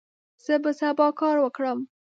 زه به سبا کار وکړم.